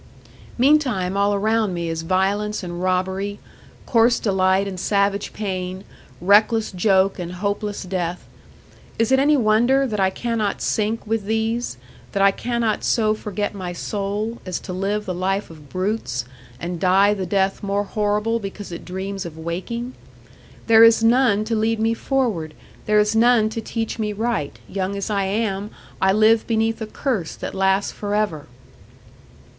'Meantime, all around me is violence and robbery, coarse delight and savage pain, reckless joke and hopeless death. Is it any wonder that I cannot sink with these, that I cannot so forget my soul, as to live the life of brutes, and die the death more horrible because it dreams of waking? There is none to lead me forward, there is none to teach me right; young as I am, I live beneath a curse that lasts for ever.'